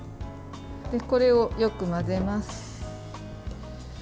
これをよく混ぜます。